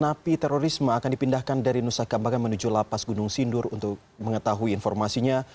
napi terorisme akan dipindahkan dari nusa kambangan menuju lapas gunung sindur untuk mengetahui informasinya